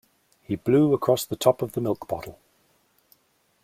He blew across the top of the milk bottle